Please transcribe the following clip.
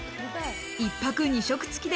１泊２食付きで